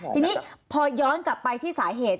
ทีนี้พอย้อนกลับไปที่สาเหตุ